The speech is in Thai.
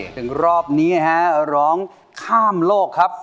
ถึงรอบนี้ฮะร้องข้ามโลกครับ